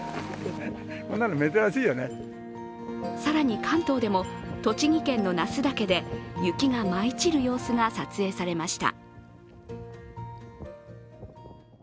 更に関東でも栃木県の那須岳で雪が舞い散る様子が撮影されました。